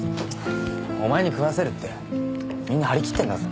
お前に食わせるってみんな張り切ってんだぞ。